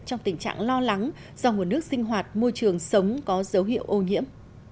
trong tình trạng lo lắng do nguồn nước sinh hoạt môi trường sống có dấu hiệu ô nhiễm